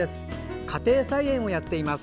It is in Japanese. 家庭菜園をやっています。